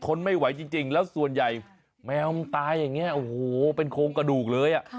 ทนไม่ไหวจริงแล้วส่วนใหญ่แมวมันตายอย่างนี้โอ้โหเป็นโครงกระดูกเลย